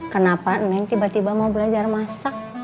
kenapa neng tiba tiba mau belajar masak